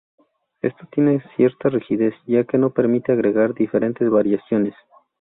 Esto tiene cierta rigidez, ya que no permite agregar diferentes variaciones.